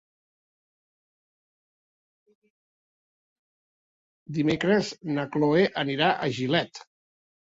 Dimecres na Cloè anirà a Gilet.